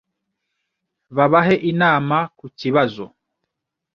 babahe inama ku kibazo